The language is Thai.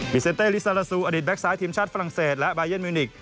เซนเต้ลิซาลาซูอดีตแก๊กซ้ายทีมชาติฝรั่งเศสและบายันมิวนิกส